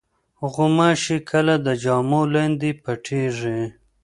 غوماشې کله د جامو لاندې پټېږي.